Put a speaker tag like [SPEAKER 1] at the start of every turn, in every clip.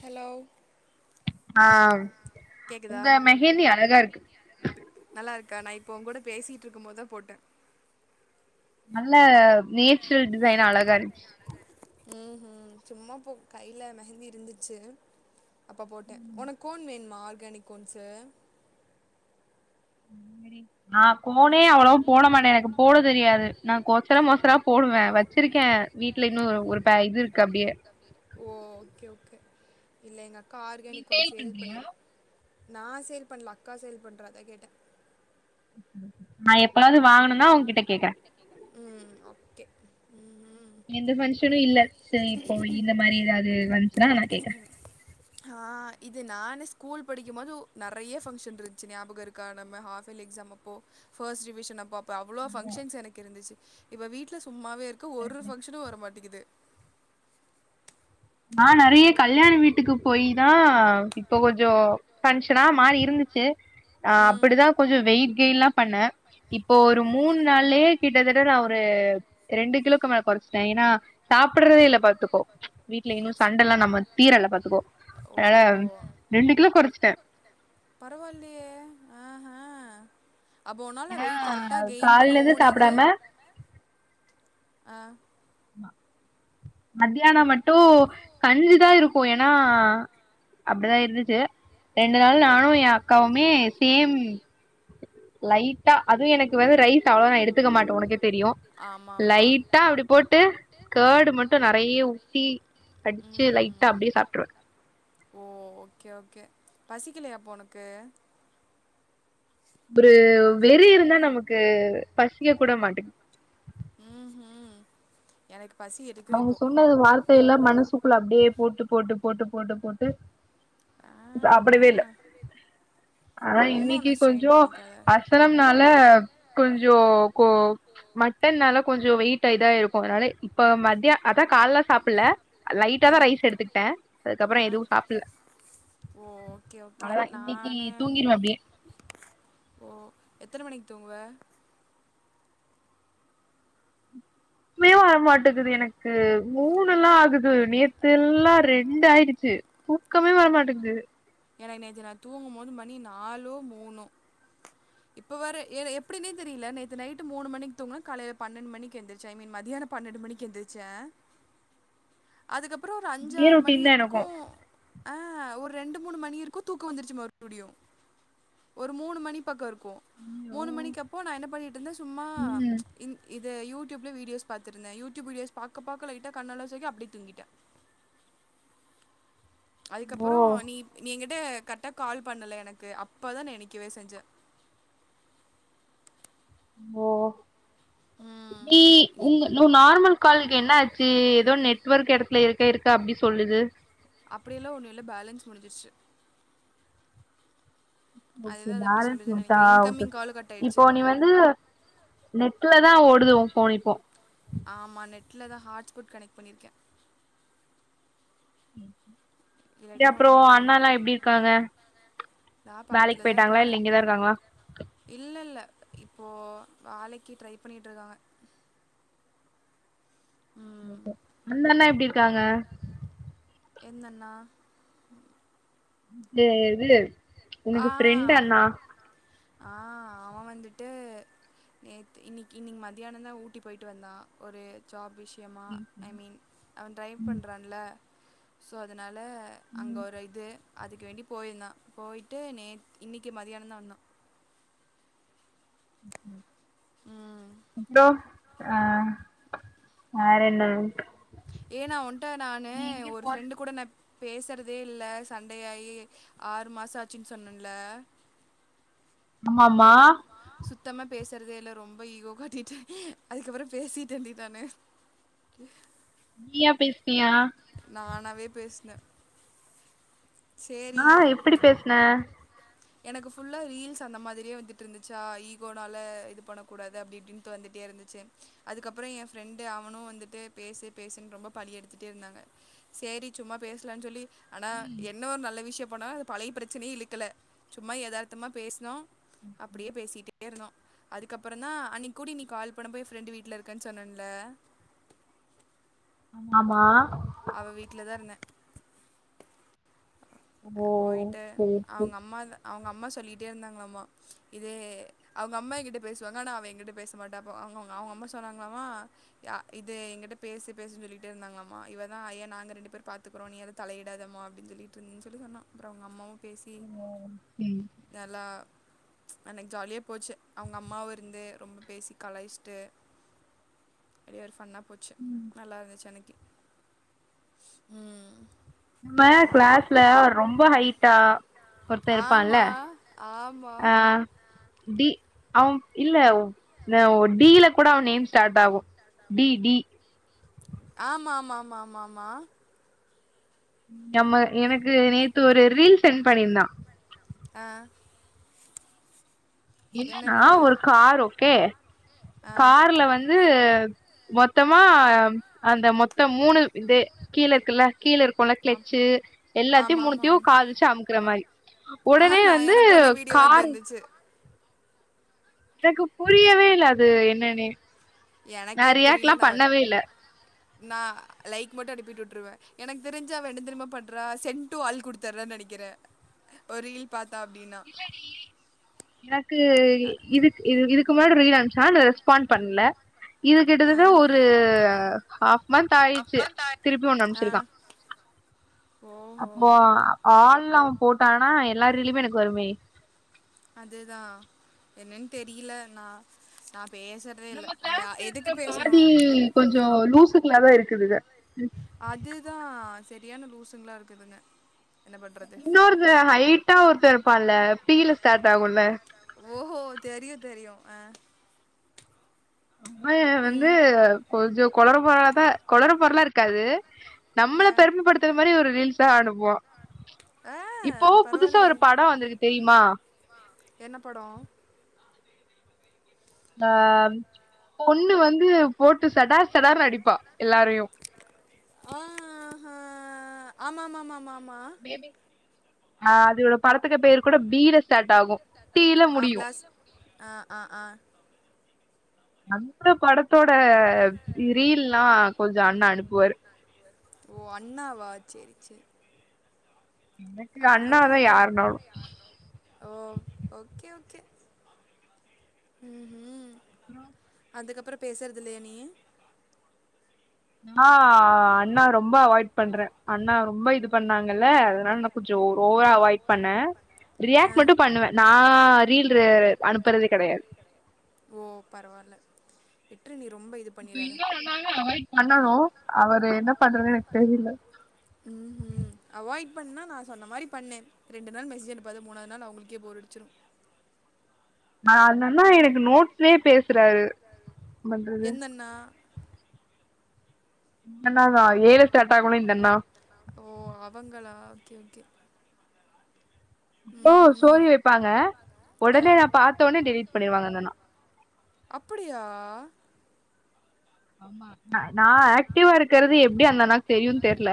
[SPEAKER 1] hello
[SPEAKER 2] ஆ உங்க மெஹேந்தி அழகா இருக்கு
[SPEAKER 1] கா நா இப்போ உங்க கூட பேசிட்டு இருக்கு போதா போட்டே
[SPEAKER 2] நல்ல நேச்சுரல் டிசைனா அழகா இருக்கு
[SPEAKER 1] ம் ஹும் சும்மா போ கையில மெகந்தி இருந்துச்சு அப்ப போட்டே உனக் கோன் வேன் ஆர்கானிக்கோன்ஸு
[SPEAKER 2] நா கோனே அவ்வளவோ போடமாட்டே எனக்கு போட தெரியாது நா கொசல மசலா போடுவே வச்சிருக்கே வீட்ல இன்னு ஒரு பே இது இருக்கு இருக்கு அப்டியே
[SPEAKER 1] ஓ ஓகே ஓகே இல்ல எங்க ஆர்கானிக் ஒன்னு சேல் பண்ணி நா சேல் பண்ல அக்கா சேல் பண்றா அதா கேட்டே
[SPEAKER 2] ம்ஹ்ம் நா எப்பளாவது வாங்கணுனா உங்க கிட்ட கேக்குறே
[SPEAKER 1] ம் ஓகே ம் ம்
[SPEAKER 2] எந்த பங்ஷனு இல்ல சரிபோய் இந்த மாதிரி ஏதாவது வந்துச்சுன்னா நா கேக்குறே
[SPEAKER 1] ஹா இது நானே ஸ்கூல் படிக்கும்போது நறைய ஃபங்க்ஷன் இருந்துச்சு ஞாபகம் இருக்க நம்ம ஹாஃப்யர்லி எக்ஸாம் அப்போ ஃபர்ஸ்ட் ரிவிஷனப்பாப் அப்ப அவ்வளவு ஃபங்க்ஷன்ஸ் எனக்கு இருந்துச்சு இப்ப வீட்ல சும் சும்மாவே இருக்கு ஒரு ஃபங்கஷனு வரமாட் கிது
[SPEAKER 2] நா நறைய கல்யாண வீட்டுக்கு போய் தா இப்போ கொஞ்சோ ஃபங்க்ஷனா மாறி இருந்துச்சு ஆ அப்டிதா கொஞ்சோ வெயிட் கெயின் லா பண்ணே இப்போ ஒரு மூணு நாள்லயே கிட்டத்தட்ட நா ஒரு ரெண்டு கிலோக்குமேலே குறச்சிட்டே ஏன்னா சாப்பிடுறதே இல்ல பாத்துக்கோ வீட்டுல இன்னு சண்டெல்லா நம்ம தீரல பாத்துக்கோ அனால ரெண்டு கிலோ கொறச்சிட்டே
[SPEAKER 1] அப்போ உனால வெயிட் கரெக்டா கெயின் பண்ணவு முடியுது ஆ
[SPEAKER 2] மத்தியானோ மட்டு கஞ்சிதா இருக்கு ஏன்னா அப்டிதா இருந்துச்சு ரெண்டு நாள் நானு என் அக்காவுமே சேம் லைட்டா அதும் எனக்கு வந்து ரைஸ் அவ்ளோ நான் எடுத்துக்க மாட்டேன் உனக்கே தெரியும் லைட்டா அப்புடி போட் கேடு மட்டும் நறயா ஊத்தி அடிச்சு லைட்டா அப்டே சாப்ட்டுருவன்
[SPEAKER 1] ஓ ஓகே ஓகே பசிக்கலையா அப்போ ஒனக்கு
[SPEAKER 2] ஒரு வெறி இருந்தா நமக்கு பசிக்க கூட மாட்டு
[SPEAKER 1] ம் உ எனக்கு
[SPEAKER 2] அவுங்க சொன்னது வார்த்தை எல்லாம் மனசுக்குள்ள அப்டே போட்டு போட்டு போட்டு போட்டு போட் டு சாப்படவே இல்ல ஆனா இன்னைக்கு கொஞ்சம் அசனம்னால கொஞ்சம் கோ மட்டன்னால கொஞ்சம் வெயிடிட் இதா ஆயிருக்கும் அதனால இப்ப மதியம் அதான் கால்ல சாப்பல லைட்டா தான் ரைஸ் எடுத்துக்கிட்டேன் அதுக்கப்புறம் எதுவும் சாப்பல அவ்ளோதா இன்னிக்கு தூங்கிருவ அப்டே
[SPEAKER 1] எத்தன மணிக்கு தூங்குவ
[SPEAKER 2] மே வரமாட்டேக்குது எனக்கு மூணுல்லாம் ஆகுது நேத்து எல்லாம் ரெண்டு ஆயிடுச்சு தூக்கமே வரமாட்டேக்குது
[SPEAKER 1] எனக்கு நேத்து நான் தூங்கும் போது மணி நாலோ மூணோ இப்ப வேற எ எப்பிடினே தெரில நேத்து நைட்டு மூணு மணிக்கு தூங்கன காலைல பண்ணன்டு மணிக்கு எந்திரிச்சேன் ஐ மீன் மதியான பண்ணண்டு மணிக்கு எந்திரிச்சேன் அதுக்கப் அப்புறம் ஒரு அஞ்சாறு மணி இருக்கும் ஆ ஒரு ரெண்டு மூணு மணி இருக்கும் தூக்கம் வந்துருச்சு மறுபடியும் ஒரு மூணு மணி பக்கம் இருக் போ மூணு மணிக்கு அப்போ நான் என்ன பண்ணிட்டு இருந்தே சும்மா இந் இது து யூடியூப்ல வீடியோஸ் பாத்திருந்தேன் யூடியூப் வீடியோஸ் பாக்க பாக்க லைட்டா கண்ணல்லாம் சொருகி அப்டே தூங்கிட்ட அதுக்கப்புறம் நீ நீ எங்கிட் டு கரெட்டா கால் பண்ணல எனக்கு அப்பதான் நெனைக்கவே செஞ்சேன்
[SPEAKER 2] ஓ நீ உங்க நார்மல் காலுக்கு என்ன ஆச்சு ஏதோ நெட்ஒர்க் எடத்துல இருக்க இருக்க அப்டி சொல்லுது
[SPEAKER 1] அப்டியெல்லாம் ஒன்னு இல்ல பேலன்ஸ் முடிஞ்சிருச்சு
[SPEAKER 2] ஓகே பேலன்ஸ் போச்ச ஓகே ஓகே இப்போ நீ வந்து நெட் ட்டுல தான் ஓடுது ஓ போன் இப்போ
[SPEAKER 1] ஆமா நெட்லதான் ஹாட்ஸ்பாட் கனெக்ட் பண்ணிருக்கேன்
[SPEAKER 2] ம் ரி அப்புறம் ஓ அண்ணாலாம் எப்டி இருக்காங்க வேலைக்கு போயிட்டாங்களா இல்ல இங்கதான் இருக்காங்களா
[SPEAKER 1] இப்போ வேலைக்கு ட்ரை பண்ணிட்டு இருக்காங்க
[SPEAKER 2] அண்ணண்ணா எப்படி இருக்காங்க
[SPEAKER 1] என்னன்னா
[SPEAKER 2] ந்த இது உனக்கு ஃப்ரெண்டா அண்ணா
[SPEAKER 1] ஆ அவன் வந்துட்டு நேத்து இன்னிக்கு இன்னிக்கு மதியான தா ஊட்டி போயி்ட்டு வந்தான் ஒரு ஜாப் விஷ முக்கியமா ஐ மீன் அவன் ட்ரைவ் பண்றால்ல சோ அதுனால் லா அங்க ஒரு இது அதுக் வேண்டி போயிருந்தான் போயி விட்டு நேத் இன்னிக்கு மதியானம் தா வந்தான்
[SPEAKER 2] ம் தோ ஆ ஆரென்ன
[SPEAKER 1] ஏ நா ஒன்ட்ட நானு ஒரு ஃப்ரெண்டு் கூட ந பேசறதே இல்ல சண்ட ஆயி ஆறு மாசம் ஆச்சுன்னு சொன்னல்ல
[SPEAKER 2] ஆம்மா
[SPEAKER 1] சுத்தமா பேசறதே இல்ல ரொம்ப ஈகோ காட்டிட்டே அதுக்கப்புற பேசிட்டேன்டி நானு
[SPEAKER 2] நீயா பேசுனியா
[SPEAKER 1] நானாவே பேசுனே
[SPEAKER 2] ஆ எப்டி பேசனே
[SPEAKER 1] எனக்கு ஃபுல்லா ரீல்ஸ் அந்த மாதிரியே வந்துட்டு இருந்துச்சா ஈகோனால இது பண்ண கூடாது அப்டி இப்டின்னுட்டு வந்துட்டே இருந்துச்சு அதுக்கப்புறம் என் ஃப்ரெண்டு அவனும் வந்துட்டு பேசு பேசுன்னு ரொம்ப பழி எடுத்துட்டே இருந்தாங்க சேரி சும்மா பேசலானு சொல்லி ஆனா என்ன ஒரு நல்ல விஷயம் போனா அது பழைய பிரச்சனைய இழுக்கல சும்மா யதார்த்தமா பேசுனோ அப்டியே பேசிட்டே இருந்தோம் அதுக்கப்புற தா அன்னிக்கூடி நீ கால் பண்ணப்ப என் ஃப்ரெண்டு வீட்டுல இருக்கன்னு சொன்னல்ல
[SPEAKER 2] ஆம்மா
[SPEAKER 1] அவ வீட்டுலதா இருந்தே
[SPEAKER 2] ஓ ம் ம்
[SPEAKER 1] அவுங்க அம்மா சொல்லிட்டே இருந்தாங்களம்மா இது அவுங்க அம்மா என்கிட்ட பேசுவாங்க ஆன அவ என்கிட்ட பேசமாட்டாப்போ அவங்க அம்மா சென்னாங்களாம்மா அ இது எங்கிட்ட பேசு பேசுனு சொல்லிட்டே இருந்தாங்களாம்மா இவ தா ஏ நாங்க இரண்டு பேரும் பாத்துக்குறோம் நீ இதுல தலையிடாதம்மா அப்டினு சொல்லிகிட்டு இருந்துச்சு விடுங்க அண்ணா அப்றம் அவங்க அம்மாவும்
[SPEAKER 2] ஓம் ம்
[SPEAKER 1] அன்னிக்கு ஜாலியா போச்சு அவங்க அம்மாவும் இருந்து ரொம்ப பேசி கலாயிச்சிட்டு அப்டியே ஒரு ஃபன்ன போச்சு நல்லா இருந்துச்சு அன்னைக்கு இஸ் ஆ
[SPEAKER 2] நம்ம கிளாஸ்ல ரொம்ப ஹைட்டா
[SPEAKER 1] ஆமா ஆமா
[SPEAKER 2] டி அவன் இல்ல டி ல கூட அவ நேம் ஸ்டார்ட் ஆகும் டி டி
[SPEAKER 1] ஆமா ஆமா ஆமா ஆமா ஆமா
[SPEAKER 2] நம்ம எனக்கு நேத்து ஒரு ரீல் சென்ட் பண்ணியிருந்தா
[SPEAKER 1] ஆ
[SPEAKER 2] என்னன்னா ஒரு கார் ஓகே கார்ல வந்து மொத்தமா அந்த மொத்த மூணு இகுது கீழயிருக்குள்ள கீழ இருக்கும்ல க்ளெச்சு எல்லாத்தையு மூணுத்தையு கால் வச்சு அமுக்குற மாரி உடனே வந்து கார் எனக்கு புரியவே இல்ல அது என்னன்னே நா ரியாக்ட்லா பண்ணவே இல்ல
[SPEAKER 1] நா லைக் மட்டு அனுப்பிட்டு விட்டுருவே எனக்கு தெரிஞ்சு அவ என்ன தெரிமா பண்றா சென்ட்டூ ஆல் குடுத்தரா நெனைக்குறே ஒரு ரீல் பாத்
[SPEAKER 2] இல்ல டீ எனக்கு இதுக்கு இது இதுக்கு இதுக்குமுனாடி ரீல் அனுப்சா நா ரெஸ்பாண் பண்ல இது கிட்டத்தட்ட ஒரு ஹாஃப் மன்த்தாயிச்சு திருப்பி ஒண் அம்ச்சிருக்கா அப்போ ஆள்ளாம் போட்டான்னா எல்லாரீலுமே எனக்கு வர்மே
[SPEAKER 1] அதுதா என்னன்னு தெரில நா நா
[SPEAKER 2] நம்ம கிளாஸ்ல இருக்குற பார்னி கொஞ் இதோ லூசுங்களாதா இருக்குதுங்க
[SPEAKER 1] அதுதா சரியான லூஸுங்களா இருக்குதுங்க
[SPEAKER 2] இன்னொருத்த ஹைட்டா ஒருத்தர் இருப்பான்ல பீல ஸ்டார்ட் ஆகும்ல ஆம்மய வந்து கொஞ்சோ குளறு பொறலாதா கொளறு பொருலா இருக்காது நம்மளை பெருமைப்படுத்துற மாரி ஒரு ரீல்ஸா அனுபுவா இப்போ புதுசா ஒரு படோ வந்திருக்கு தெரியுமா ஆ பொண்ணு வந்து போட்டு சடார் சடார்னு அடிப்பா எல்லாரையு
[SPEAKER 1] ஆ ஹா ஆமா ஆமா ஆமா ஆமா மா
[SPEAKER 2] ஆ அது படத்துக்கு பேர் கூட பீல ஸ்டார்ட் ஆகு சீ ல முடியு அந் த படத்தோட ரீல்லா கொஞ்சொ அண்ணா அனுப்புவாரு
[SPEAKER 1] ஓ அண்ணாவா சேரி சேரி அண்ணாவ இருக்க ஓ ஓகே ஓ கே ம்ஹும்
[SPEAKER 2] அப்புறோ
[SPEAKER 1] அதுக்கப்புறொ பேசுறதுல்லயா நீயி
[SPEAKER 2] மா அண்ணா ரொம்ப அவாய்ட் பண்ற அண்ணா ரொம்ப இது பண்ணாங்கல்ல அதுனால் நா‌ கொஞ்ச ஒ ஓவரா அவாய்ட் பண்ணே ரியாக்ட் மட்டு பண்ணுவே நா ரீல் ர அனுப்புறது கெடயாது இப்ப இன்னோர் அண்ணாவே அவாய்ட் பண்ணனு அவரு என்ன பண்றனு எனக்கு தெரில
[SPEAKER 1] பண்ணா நா சொன்ன மாரி பண்ணு ரெண்டு நாள் மெசேஜ் அனுப்பாத மூணாது நாள் அவுங்களுக்கே போர் அடுச்சுரு
[SPEAKER 2] நானன்னா எனக்கு நோட்ஸ்லயே பேசுறாரு
[SPEAKER 1] எந்தண்ணா
[SPEAKER 2] [unintelligible] ஏ ல ஸ்டார்ட் ஆகுல்ல இந்தண்ணா
[SPEAKER 1] ஓகே ஓகே
[SPEAKER 2] ஓ ஸ்டோரி வைப்பாங்க ஒடனே நா பாத்தோனே டெலிட் பண்ணிருவாங்க அந்தண்ணா ஆமா ந நா ஆக் டிவா இருக்குறது எப்டி அந்த அண்ணாக்கு தெரியுன் தெர்ல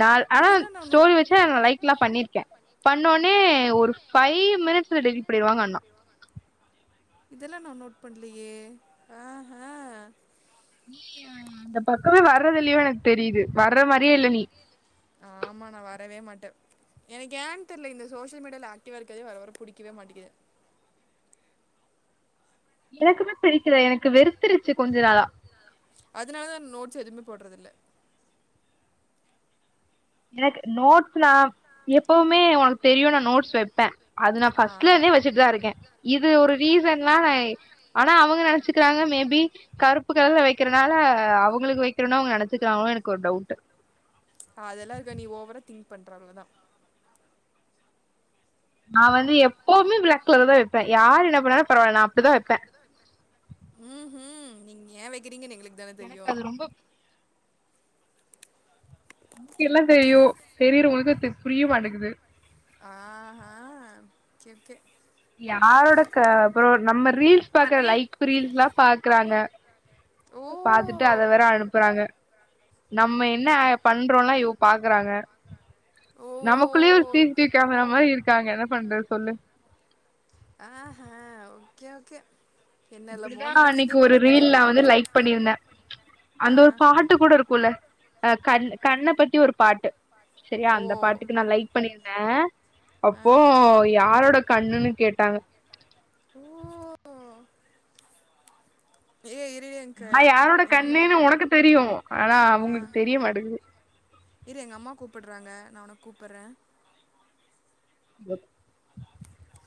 [SPEAKER 2] நாள் ஆனா ஸ்டோரி வச்சொனொ ந லைக்லா பண்ணிருக்கே பண்ணோனே ஒரு ஃபைவ் மினிட்ஸ்ல டிலேட் பண்ணிருவாங்க அண்ணா
[SPEAKER 1] இதெல்லா நா நோட் பண்லயே ஆஹ
[SPEAKER 2] இந்த பக்கமே வர்றதில்லயோ எனக்கு தெரியிது வர்ற மாரியே இல்ல நீ
[SPEAKER 1] ஆமா நா வரவே மாட்டே எனக்கு ஏன் தெர்ல இந்த சோஷியல் மீடியால ஆக்டிவா இருக்கதே வர வர புடிக்கவே மாட்டிகிது
[SPEAKER 2] எனக்குமே பிடிக்கல எனக் க்கு வெறுத்துருச்சு கொஞ்ச நாளா
[SPEAKER 1] போட்றதில்ல
[SPEAKER 2] எனக்கு நோட்ஸ் நா எப்பவுமே ஒ தெரியு நா நோட்ஸ் வெப்பே அது நா பஸ்ட்லே இருந்தே வெச்சுட்டுதா இருக்கே இது ஒரு ரீசன்லா நா ஆனா அவுங்க நெனச்சுக்குறாங்க மேபி கருப்பு கலர்ல வக்கிறனால அவுங்களுக்கு வக்கிறெனு அவுங்க நெனச்சுக்கிறாங்களொ எனக்கு ஒரு டவுட்டு
[SPEAKER 1] அதெல்லா இருக்கா நீ ஓவரா திங்க் பண்ற அவ்ளதா
[SPEAKER 2] நா வந்து எப்பவுமே பிளாக் கலர்ல தா வப்பே யார் என்ன பண்ணாலு பரவால்ல நா அப்டிதா வப்பே
[SPEAKER 1] ம்ஹும் நீங்க ஏ வக்கிறிங்கன் எங்ளுக்
[SPEAKER 2] எனக்கு அது ரொம்ப உனக்கு எல்லா தெரியு தெரியுறவுங்களுக்கு புரிய மாட்டேங்குது
[SPEAKER 1] ஆகா ஓகே ஓகே
[SPEAKER 2] யாரோட அப்புற நம்ம ரீல்ஸ் பாக்குற லைக் ரீல்ஸ் எல்லா பாக்குறாங்க பாத்துட்டு அத வேற அனுப்புறாங்க நம்ம என்ன பண்றோம்லா இவுங்க பாக்குறாங்க நமக்குள்ளேயே ஒரு C C T V camera மாரி இருக்காங்க பண்றது சொல்லு
[SPEAKER 1] ஆக ஓகே ஓகே
[SPEAKER 2] இப்டிதா அன்னைக்கு ஒரு ரீல் நா வந்து லைக் பண்ணியிருந்தே அந்த ஒரு பாட்டு கூட இருக்குல அ கல் கண்ண பத்தி ஒரு பாட்டு சரியா அந்த பாட்டுக்கு நா லைக் பண்ணிருந்தே அப்போ யாரோட கண்ணுன்னு கேட்டு தா [unintelligible]
[SPEAKER 1] ஓ
[SPEAKER 2] நா யாரோட கண்ணுன்னு உனக்கு தெரியு ஆனா அவுங்களுக்கு தெரியமாட்டுக்குது
[SPEAKER 1] இரு எங்க அம்மா கூப்புட்றாங்க நா உன்ன கூப்புட்ற
[SPEAKER 2] [unintelligible]